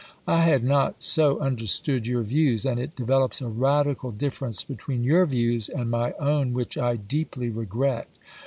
I had not so understood your views, and it develops a radical difference between your views and my own, which I deeply regret.